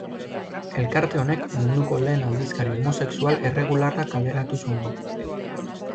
Elkarte honek munduko lehen aldizkari homosexual erregularra kaleratu zuen.